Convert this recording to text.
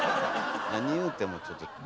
何言うてもちょっと。